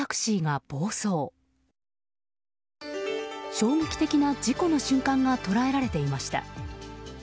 衝撃的な事故の瞬間が捉えられていました。